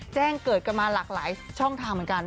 แจ้งเกิดกันมาหลากหลายช่องทางเหมือนกัน